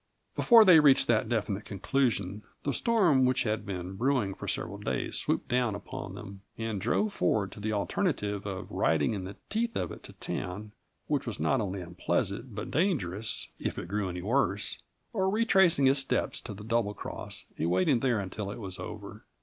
Before they reached that definite conclusion, the storm which had been brewing for several days swooped down upon them, and drove Ford to the alternative of riding in the teeth of it to town, which was not only unpleasant but dangerous, if it grew any worse, or retracing his steps to the Double Cross and waiting there until it was over.